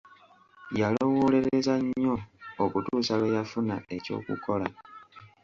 Yalowoolereza nnyo okutuusa lwe yafuna eky'okukola.